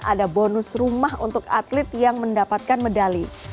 ada bonus rumah untuk atlet yang mendapatkan medali